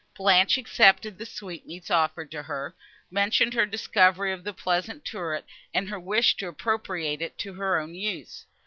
Blanche accepted the sweet meats, offered to her, mentioned her discovery of the pleasant turret, and her wish to appropriate it to her own use.